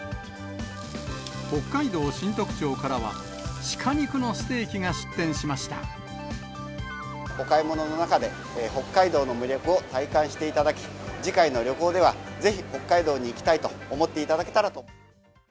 北海道新得町からは、お買い物の中で、北海道の魅力を体感していただき、次回の旅行では、ぜひ北海道に行きたいと思っていただけたらと。